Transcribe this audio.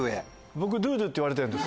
僕ドゥドゥって言わてるんです。